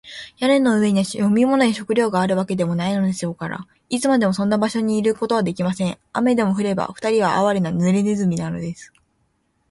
屋根の上には飲み水や食料があるわけでもないでしょうから、いつまでもそんな場所にいることはできません。雨でも降れば、ふたりはあわれな、ぬれネズミです。